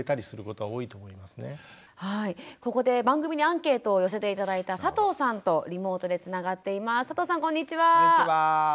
はいここで番組にアンケートを寄せて頂いた佐藤さんとリモートでつながっています。